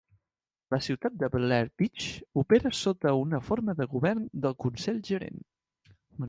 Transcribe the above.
La ciutat de Belleair Beach opera sota una forma de govern de Consell-gerent.